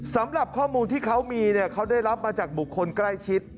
สำหรับข้อมูลที่เขามีเนี่ยเขาได้รับมาจากบุคคลใกล้ชิด